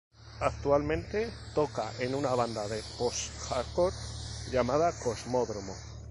Actualmente tocan en una banda de post-hardcore llamada Cosmódromo.